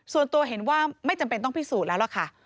ส่วนตัวเห็นว่าไม่จำเป็นต้องพิสูจน์แล้วล่ะค่ะ